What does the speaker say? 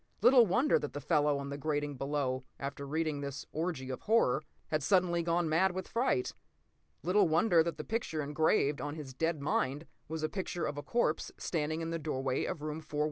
Little wonder that the fellow on the grating below, after reading this orgy of horror, had suddenly gone mad with fright. Little wonder that the picture engraved on his dead mind was a picture of a corpse standing in the doorway of room 4167!